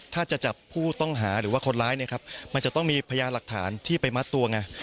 ถ้าจะจับผู้ต้องหาหรือว่าคนร้ายเนี่ยครับมันจะต้องมีพยานหลักฐานที่ไปมัดตัวไง